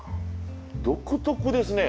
独特ですね。